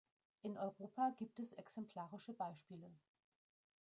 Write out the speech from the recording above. In Europa gibt es exemplarische Beispiele.